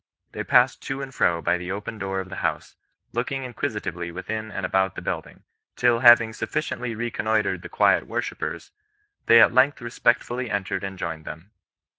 They passed to and fro by the open door of the house, looking inquisitively within and about the building, till having sufficiently reconnoitred the quiet worshippers, they at length respectfully entered and joined them.